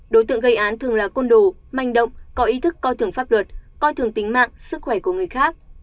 đối tượng gây án thường là côn đồ manh động có ý thức coi thường pháp luật coi thường tính mạng sức khỏe của người khác